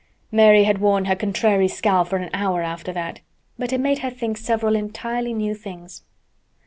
Mary had worn her contrary scowl for an hour after that, but it made her think several entirely new things.